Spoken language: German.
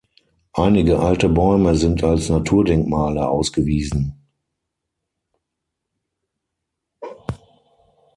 Einige alte Bäume sind als Naturdenkmale ausgewiesen.